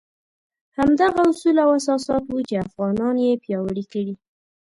همدغه اصول او اساسات وو چې افغانان یې پیاوړي کړي.